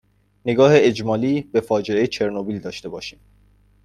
نگاه اجمالی به فاجعه چرنوبیل داشته باشیم